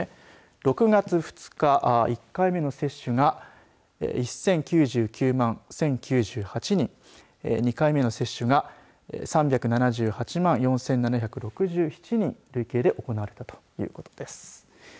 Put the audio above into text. ６月２日、１回目の接種が１０９９万１０９８人２回目の接種が３７８万４７６７人累計で行われたということです。